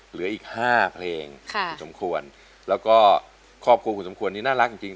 เหลืออีกห้าเพลงคุณสมควรแล้วก็ครอบครัวคุณสมควรนี้น่ารักจริงจริง